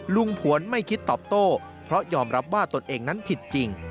ผวนไม่คิดตอบโต้เพราะยอมรับว่าตนเองนั้นผิดจริง